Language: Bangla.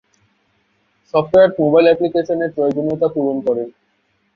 সফ্টওয়্যার মোবাইল অ্যাপ্লিকেশনের প্রয়োজনীয়তা পূরণ করে।